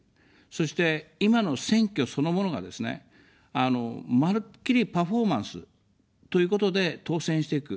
そして今の選挙そのものがですね、まるっきりパフォーマンスということで、当選していく。